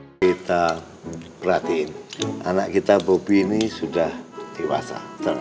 hai kita berarti anak kita bobi ini sudah diwasa